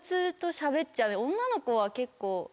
女の子は結構。